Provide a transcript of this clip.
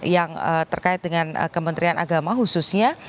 yang terkait dengan kementerian agama khususnya